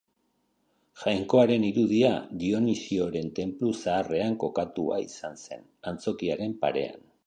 Jainkoaren irudia Dionisioren tenplu zaharrean kokatua izan zen, antzokiaren parean.